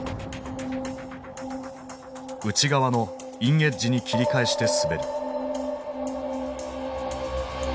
内側のインエッジに切り返して滑る。